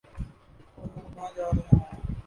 اورہم کہاں جارہے ہیں؟